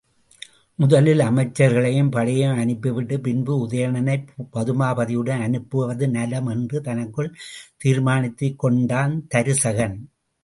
முதலில் அமைச்சர்களையும் படையையும் அனுப்பிவிட்டு, பின்பு உதயணனைப் பதுமாபதியுடன் அனுப்புவது நலம் என்று தனக்குள் தீர்மானித்துக் கொண்டான் தருசகன்.